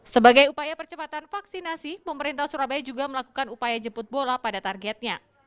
sebagai upaya percepatan vaksinasi pemerintah surabaya juga melakukan upaya jemput bola pada targetnya